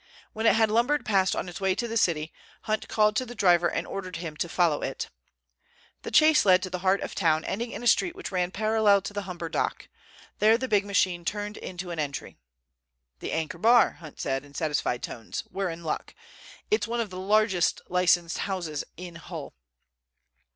When it had lumbered past on its way to the city, Hunt called to the driver and ordered him to follow it. The chase led to the heart of the town, ending in a street which ran parallel to the Humber Dock. There the big machine turned in to an entry. "The Anchor Bar," Hunt said, in satisfied tones. "We're in luck. It's one of the largest licensed houses in Hull."